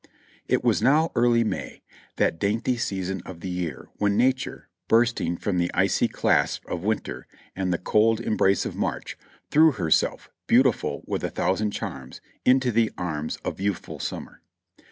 It was now early May, that dainty season of the year when Nature, bursting from the icy clasp of winter and the cold em brace of March, threw herself, beautiful with a thousand charms, into the arms of youthful summer.